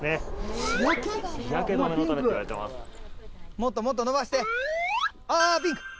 もっともっと伸ばしてあぁピンク。